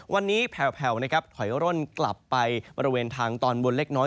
วันนี้แผ่วนะครับถอยร่นกลับไปบริเวณทางตอนบนเล็กน้อย